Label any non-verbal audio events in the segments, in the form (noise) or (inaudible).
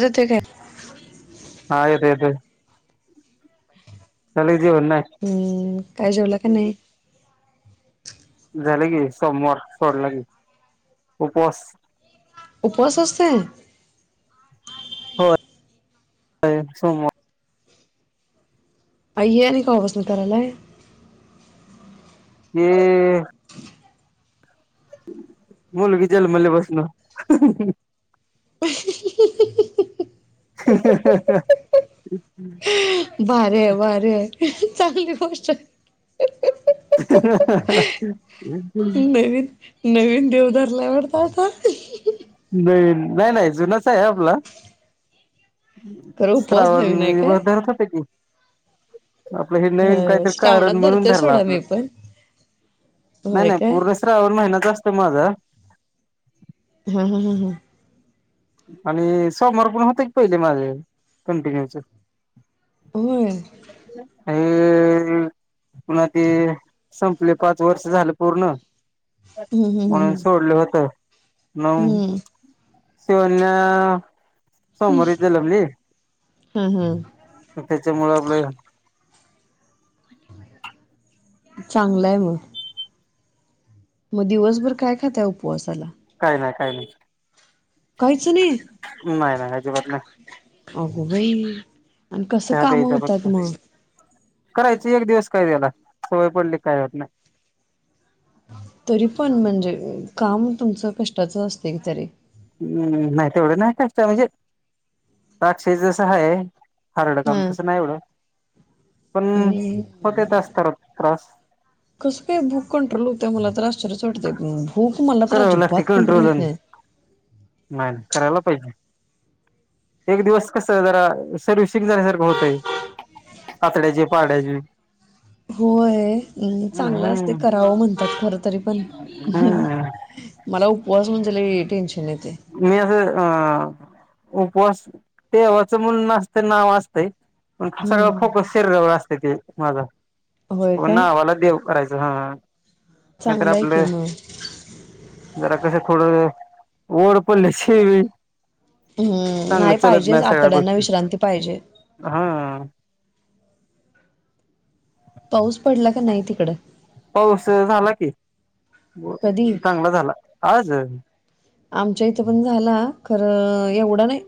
झ ते काय हा येत येत च हम्म काय जेवलं का नाही झालं की सोमवार सोडलं कि उपवास उपवास असते हो सोमवार आये हे आणि कावा पसून करालाय ते मुलगी जलमले पसन ह भारी आय भारी आय चांगली गोष्ट (inaudible) देवदरलावडत तर (unintelligible) नाही नाही नाही जुनच आहे आपला खरं उपवास श्रावण नवीन आहे काय? धरत होते की आपलं हे नवीन ह काहीतरी कारण श्रावणात म्हणून धरतोय धरलं सोडा आपलं मी पण. नाही होय नाही काय? पूर्ण श्रावण महिन्याचा असत माझा हा हा हा हा आणि सोमवार पण होते कि पहिले माझे कंटिन्यूच होय अ पुन्हा ते संपले पाच वर्ष झालं पूर्ण हम्म हम्म म्हणून हम्म सोडलं होतं मंग हम्म शिवन्या सोमवारी जलमली हा हा त्याच्यामुळ आपलं, चांगलंय मग मग दिवसभर काय खाताय उपवासाला? का नाही काही नाही कायचं नाही नाही नाही अजिबात नाही (unintelligible) अघोबाई! चहा प्यायचं फक्त, करायच एक दिवस काय त्याला सवय पडली काय वात नाही. तरी पण म्हणजे हम्म काम तुमचं कष्टाचं असते की तरी, हम्म नाही तेवढं नाही कष्ट म्हणजे दक्ष जस आहे. हरड काम हम्म. तसं नाही एवढं पण हम्म. होते तासत त्रास, कसं काय भूक कंट्रोल होत्या मला त्रास, टते भूक मारला तर अज करावे लागते बात कुंट्रल कंट्रोल होत नाही. नाही नाही करायला पाहिजे, एक दिवस कस आहे जरा सर्विसिक झाल्यासारखं होतय आतड्याचे पहाड्याची, होयम् चांगलं असते करावं म्हणतात खर तरी पण, हम्म मला उपवास म्हणून च टेन्शन येतंय मी अससं अं उपवास देवाचं मुल नाचतं नाव असतंय, पण फोकस हम्म फोकस शेरीजवळ असते ते माझा होय काय नावाला देव, करायचं हा नाही तर चांगलं आहे की आपलं मग. जरा कस ड ओडपल् श (unintelligible) हम्म चांगलं नाही चालत पाहिजेच नाही सगळ्या आतड्यांना गोष्टी विश्रांती पाहिजे हा पाऊस पडला का नाही तिकड पाऊस (unintelligible) चांगला झाला आज आमच्या इथं पण झाला, खरं एवढं नाही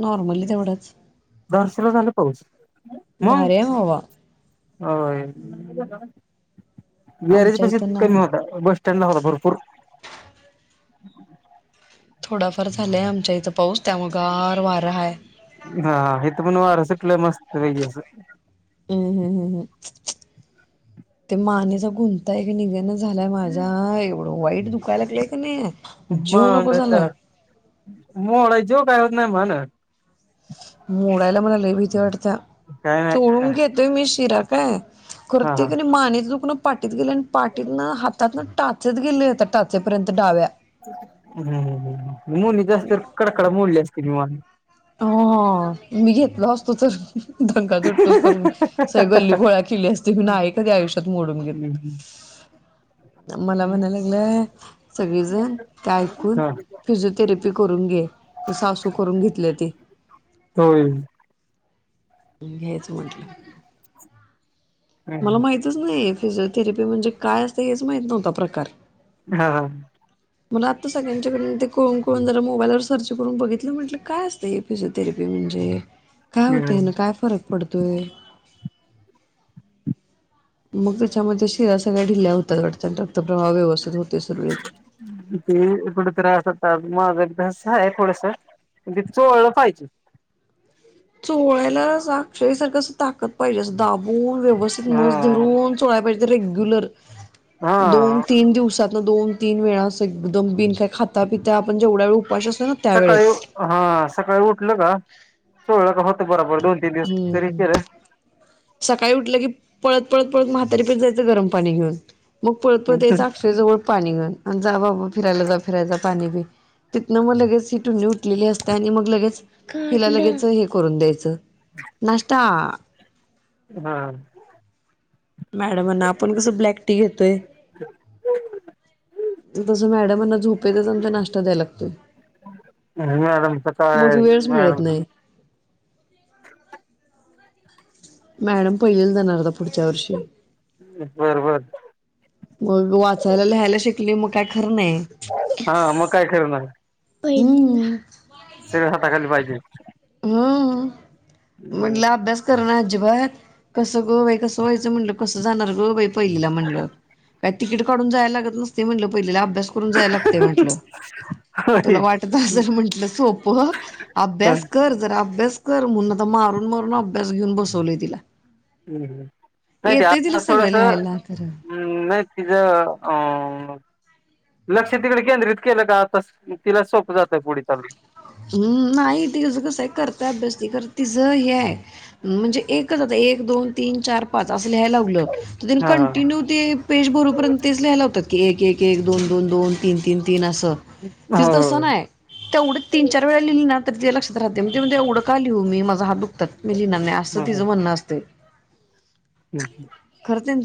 नॉर्मली तेवढंच, धारशीला झाला पाऊस मग भारीये भावा होय गरेज आमच्या पशी इथं नाही. कमी होता बस स्टँड ला होता भरपूर (unintelligible) थोडाफार झालाय आमच्या इथं पाऊस त्यामुळ गार वारं हाय. लय मस्तपैकी असं, हम्म हम्म हम्म हम्, (unintelligible) ते मानेचा गुंता एक निघना झालाय माझ्या एवढं वाईट दुखाय लागलाय का नाही. जीव मग नको तर झालाय मोड जेव काय होत नाही मग. मोडायला मला लय भीती वाटत्या काय नाही तोडून घेतोय मी शिरा काय हा हा खुरती कनाय मानेच दुखण, पाठीत गेलंय आणि पाटीतन हातातन टाचत गेले आता टाचेपर्यंत डाव्या, हम् हं हम (unintelligible) कड कड मोडली आस्ती मी मान, हो हो मी घेतलो असतो तर दंगा धुडगूस करून सगळी गल्ली गोळा केली असती मी नाय कधी आयुष्यात मोडून घेत. (unintelligible) मला म्हणायला लागलंय सगळेजण ते ऐकून हा फिजिओथेरपी करून घे, ते सासू करून घेतले. होय. घ्यायच म्हटलं. मला माहितच नाही फिजिओथेरपी म्हणजे काय असतंय हेच माहित नव्हता प्रकार हा हा, मला आत्ता सगळ्यांच्याकडून कळून कळून जरा मोबाईलवर सर्च करून बघितलं म्हटलं काय असतं हे फिजिओथेरपी म्हणजे काय होतय हम्म ना काय फरक पडतोय. मग त्याच्यामध्ये शिरा सगळ्या ढिल्या होतात वाट रक्तप्रवाह व्यवस्थित होत. ते कडतरा (unintelligible) माझं बी तसंच हाय थोडस म्हणजे चोळलं पाहिजे. चोळायला अक्षयसारखं अस ताकत पाहिजे असं दाब. (unintelligible) व्यवस्थित हा नस धरून चोळाय पाहिजे रेग्युलर हा दोन तीन दिवसात ना दोन. तीन वेळा असं एकदम बिन काय खाता पिता आपण जेवढ्या वेळ उपाश सकाळी हा सकाळी उठलं का चोळला का होतंय बराबर हम्म सकाळी उठलं की पळत पळत ळत म्हातारीपीठ जायचं गरम पाणी घेऊन मग पळत पळत यायच अक्ष जवळ पाणी घेऊन आणि जा. फिरायलाला फिरायला पाणी ब तिथनं मग लगेच ही टुंणी उठलेली असते आणि मग लगेच हिला लगेच हे करून द्यायचं. नाष्टा. हम्. मॅडमांना आपण कसं ब्लॅक टी घेतोय. हो. तसं मॅडमांना झोपेतच नाश्ता द्याय लागतोय. मॅडम च मग काय वेळच मिळत मॅड नाही (unintelligible) मॅडम पहिलीला जाणार आता पुढच्या वर्षी? बरबर. मग वाचायला लिहायला शिकली मग काय खरं नाही? हा मग काय पहिलीला. सगळ हाताखाली पाहिजे? हम्म म्हटलं अभ्यास करण. अजिबात कसं ग बाई कसं व्हायचं म्हटलं कस जाणार ग बाई पहिलीला म्हणलं काय? तिकीट काढून जायला लागत नसते म्हटलं पहिलेला अभ्यास करून जायला लागतय म्हटलं. तुला वाटत असर म्हंटलं सोप अभ्यास कर जरा अभ्यास कर म्हणून आता मारून मारून अभ्यास घेऊन बसवलय तिला. नाही येतय तिला ते सगळं थोडस. लिहायला खरं हम्म नाही तिच अ लक्ष तिकडे केंद्रित केलं का आता तिला सोपं जातय पुढे चालून. हम्म नाही तिचं कसं आहे करता अभ्यास ती खरं तिचं हे आहे म्हणजे एकच आता एक दोन तीन चार पाच. असं लियला लावलं तर हा कंटिन्यू ते पेज भरूपर्यंत तेच लियलावतात. एक एक एक दोन दोन दोन तीन तीन तीन असं तिचं तसं हो. नाय तेवढं. तुझ्या लक्षात राहते मी ते म्ह एवढं का लिहू मी माझ हात दुखतात मी लिहिंणार असं तिझं म्हणं असत य हम्म ह.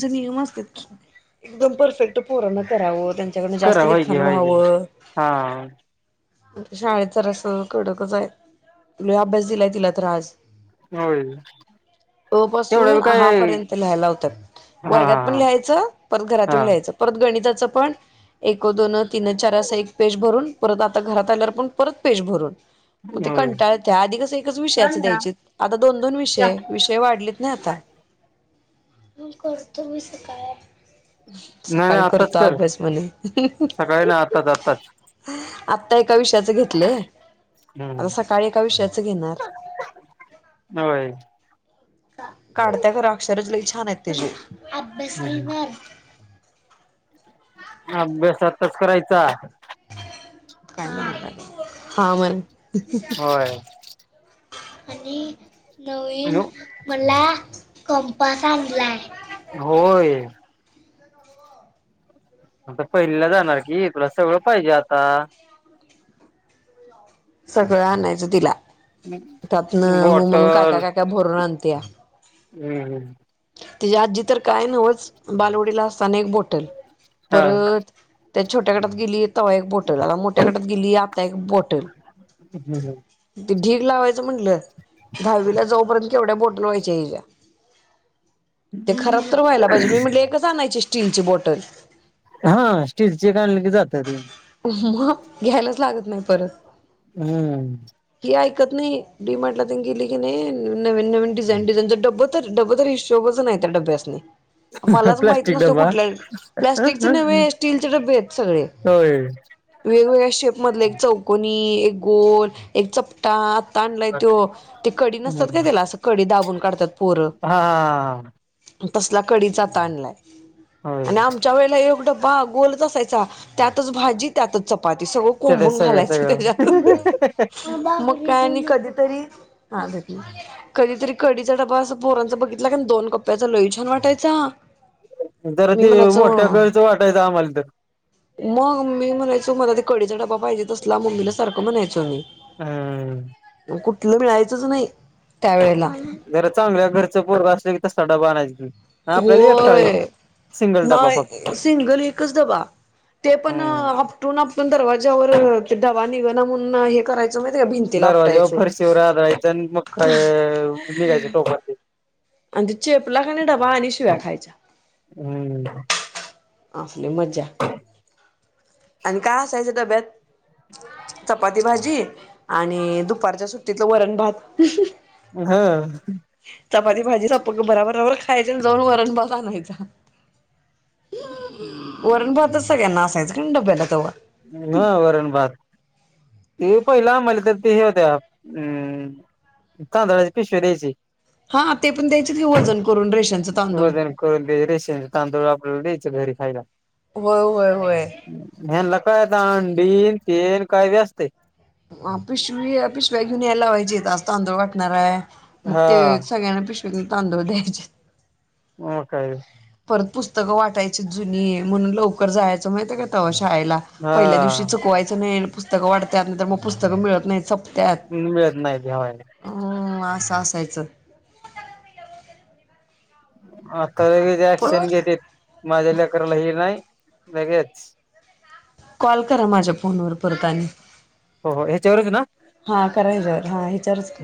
(unintelligible) एकदम परफेक्ट पोराणं करावं त्यांच्याकडन जास्त करा व्हाय की लिखाण व्हाय की व्हावं. हा शाळेत तर अस कडकच आहे लाय अभ्यास दिलाय तिला तर आज? होय. अ तेवढं पासून बी काय हहापर्यंत लिहायला लावतात. हा वर्गात पण लहायचं परत हा घरातून लिहायचं परत गणितात. एक दोन तीन चार अस एक पेज भरून परत आता घरात आल्यावर पण परत. पेज भरून. मग ते होय कंटाळत्या आधी कसं एकच विषयाचं द्यायचे आता दोन दोन विषय विषय वाढलेत नाही आता. (unintelligible) करतो मी सकाळी. नाही नाही सकाळी आत्ताच करतो कर अभ्यास म्हणे? सकाळी ना आत्ताच आत्ताच आत्ता एका विषयाच घेतलंय आता सकाळी एका विषयाच घेणार? होय काढत्या खरा अक्षरच लई छान आहेत तिजी. अभ्यासताच करायचा? हा म्हण होय आणि नवीन मला कंपास आणलाय. होय आता पहिलीला जाणार की तुला सगळं पाहिजे आता? सगळं आणायचं तिला. त्यातन हो म्हणून बॉटल काका काका भरून आणत्या. हम्म हम्म ती जी आजी तर काय नवंच बालवडीला असताना एक बोटल हा परत- त्या छोट्या गटात गेलीत. एक बोटल आता मोठ्या गटात गेली आता एक बोटल त ढीग लावायच. म्हटलं दहावीला जाऊपर्यंत केवढ्या मोठ्य व्हायच्या हीच्या. ते खराब तर व्हायला पाहिजे मी म्हटले एकच आणायची स्टीलची बॉटल. हा स्टीलचे आणले की जात ते मग घ्यायलाच लागत नाही परत हम्म ही ऐकत नाही डीमार्टला गेली की नाही ननवी डझाईन डिझाईन डब तर डबरी शोबच नाही त्या डब्यास नाही मलाच माहित प्लास्टिक नसतो डबा कुठल्या प्लाॅस्टिकचे न् स्टीलचे डबे आहेत सगळे होय वेगवेगळ्या शेप मधले एक चौकनी गोल एक चपटा ह ताडलाय तो ते कढी नसतात काय त्याला असं कडी दाबून काढतात पोरं हा तसला कडीचा त आणलाय होय आणि आमच्या वेळेला एक डब बा गोलच असायचा त्यातच भाजी त्यातच चपा चपाती सगळं ते कोंबून सगळं घालायचं सगळं त्याच्यात मग काय आणि कधीतरी हा कधीतरी कडीचा डबा असं पोरांच बघित दोन कप्ड्याचा लोई छान वाटायचा जरा मी ते म्हणायचो मोठ्या गळचं वाटायचं आम्हाला तर मग मी म्हणायचो मला ते कडीचा डबा पाहिजे तसला मम्मीला सारख म्हणायचो मी हम्म कुठलं मिळायचंच नाही त्यावेेळेला जरा चांगलं घरचं पोरग असलं की तसा डबा आणायच आपल्याला एकटाळी होय सिंगल म डबा फक्त सिंगल एकच दबा ते पण हम्म आपटून पण दरवाज्यावर डबा निघ ना म्हणून हे कराय दरवाजेवर फरशीवर आदळायच आणि मका निघायच टोकाचे आणि ते चेपला खानी डबा आणि शिव्या खायचा हम्म. आपले मज्जा आणि काय असायचं तब्यात चपाती भाजी आणि दुपारच्या सुट्टीतलं वरण भात हा चपाती भाजी स बराबराबर खायची जाऊन वरणभात आणायचा वरण भातच सगळ्यांना असायचं क डब्याला तेव्हा हा वरण भाात ते पहिला आम्हाला तर ते हे होत्या अम् तांदळाची पिशव्या द्यायची हा ते पण द्यायच की वजन करून रेशनच वजन करून रेशेंचे तांदूळ आपल्याला द्यायच घरी खायला होय होय होय ह्यांना काय अंडी तेल काय बी असते ह पिशवी पिशव्या घेऊन यायलावायेत आज तांदूळ वाटणार आहे मग हा ते सगळ्यांना पिशवना तांदूळ द्यायचे म काय परत पुस्तकं वाटायची जुनी म्हणून लवकर जायचं माहित आहे का तवा शाळेला शाळेला हा पहिल्या दिवशी चुकवायचं नाही पुस्तक वाटत त्यानंतर मग पुस्तकं मिळत नाही सपत्यात मिळत नाही घ्यावायला तायचं आता ऍक्संज घेते माझ्या लकला ह नाही लगेच कॉल करा माझ्या फोनवर परत आणि हो हो ह्याच्यावरच ना हा करायच्यावर हा हचारच का